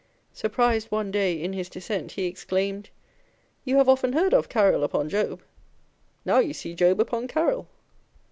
Surprised one day in his descent, he exclaimed, " You have often heard of Caryl upon Job â€" now you see Job upon Caryl !"